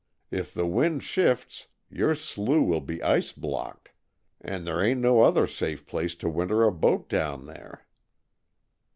If the wind shifts your slough will be ice blocked, and there ain't no other safe place to winter a boat down there."